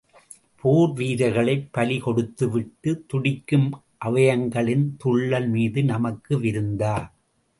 போர் வீரர்களைப் பலிகொடுத்துவிட்டு, துடிக்கும் அவயவங்களின் துள்ளல் மீது நமக்கு விருந்தா?